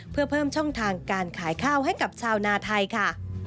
เพื่อเพิ่มช่องทางการขายข้าวให้กับชาวนาไทยค่ะ